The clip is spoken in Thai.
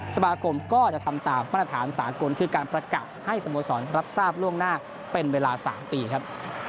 สมาคมก็จะทำตามมาตรฐานสากลคือการประกาศให้สโมสรรับทราบล่วงหน้าเป็นเวลา๓ปีครับ